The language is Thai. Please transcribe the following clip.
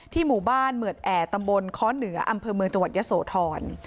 หมู่บ้านเหมือดแอร์ตำบลค้อเหนืออำเภอเมืองจังหวัดยะโสธร